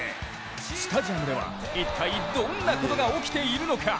スタジアムでは一体どんなことが起きているのか。